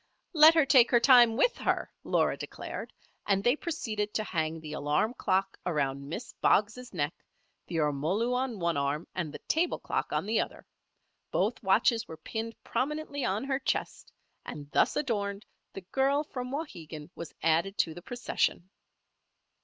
"Let her take her time with her," Laura declared; and they proceeded to hang the alarm clock around Miss Boggs' neck, the ormolu on one arm and the table clock on the other. Both watches were pinned prominently on her chest, and thus adorned, the girl from Wauhegan was added to the procession.